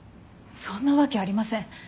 そんなわけありません。